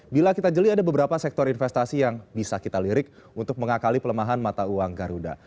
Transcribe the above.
bila kita jeli ada beberapa sektor investasi yang bisa kita lirik untuk mengakali pelemahan mata uang garuda